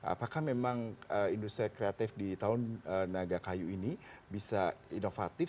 apakah memang industri kreatif di tahun naga kayu ini bisa inovatif